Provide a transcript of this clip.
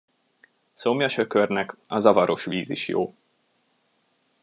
Szomjas ökörnek a zavaros víz is jó.